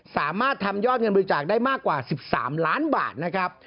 สามารถทำยอดเงินบริจาคได้มากกว่า๑๓ล้านบาทนะครับ